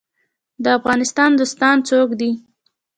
د افغانستان دوستان څوک دي؟